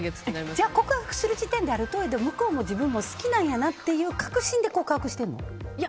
じゃあ告白する時点である程度、向こうも自分も好きなんやなって確信で告白してるの？